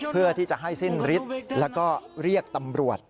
เพื่อที่จะให้สิ้นฤทธิ์แล้วก็เรียกตำรวจ